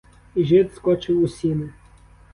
І жид скочив у сіни.